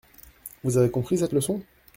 Vous avez compris cette leçon ?